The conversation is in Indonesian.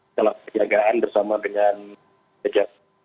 setelah perjagaan bersama dengan jajaran